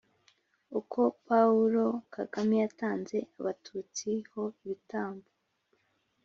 “uko paulo kagame yatanze abatutsi ho ibitambo”